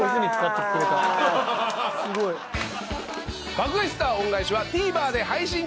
『爆買い☆スター恩返し』はＴＶｅｒで配信中。